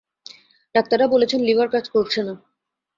ডাক্তাররা বলেছেন, লিভার কাজ করছে না।